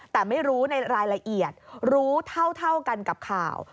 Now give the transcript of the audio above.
แต่ไม่รู้ในรายละเอียดรู้เท่ากันกับข่าว